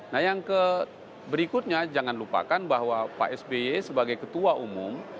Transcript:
nah yang berikutnya jangan lupakan bahwa pak sby sebagai ketua umum